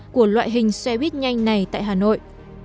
của loại hình xe buýt nhanh này tại hà nội